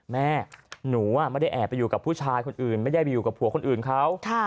แม่หนูไม่ได้แอบไปอยู่กับผู้ชายคนอื่นไม่ได้ไปอยู่กับผัวคนอื่นเขา